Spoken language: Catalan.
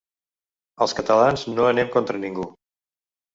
Els catalans no anem contra ningú.